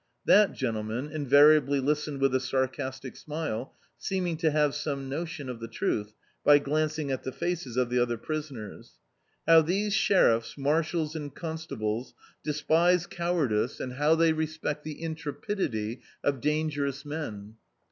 That gentle man invariably listened with a sarcastic smile, seem ing to have some notion of the truth, by glancing at the faces of the other prisoners. How these sheri&, marshals and constables, despise cowardice, D,i.,.db, Google The Autobiography of a Super Tramp and how they respect the intrepidity of dangerous men.